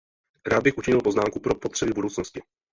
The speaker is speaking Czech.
Rád bych učinil poznámku pro potřeby budoucnosti.